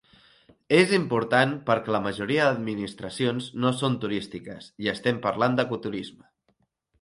És important perquè la majoria d'administracions no són turístiques i estem parlant d'ecoturisme.